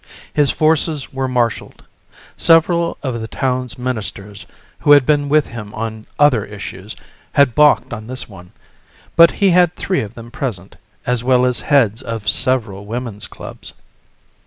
His forces were marshaled. Several of the town's ministers who had been with him on other issues had balked on this one, but he had three of them present, as well as heads of several women's clubs.